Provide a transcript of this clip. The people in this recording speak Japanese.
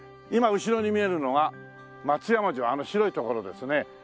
今後ろに見えるのが松山城あの白い所ですね。